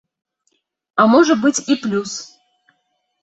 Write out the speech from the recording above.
А можа быць і плюс.